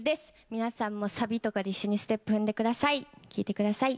皆さんもサビとかで一緒にステップ踏んでください。